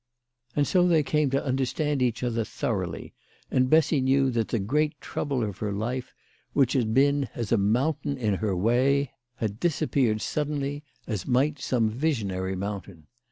And so they came to understand each other thoroughly, and Bessy knew that the great trouble of her life, which had been as a 190 THE LADY OF LAUNAY. mountain in her way, had disappeared suddenly, as might some visionary mountain.